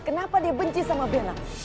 kenapa dia benci sama benang